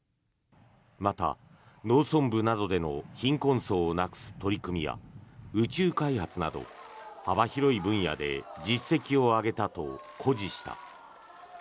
また農村部などでの貧困層をなくす取り組みや宇宙開発など幅広い分野で実績を上げたと誇示した。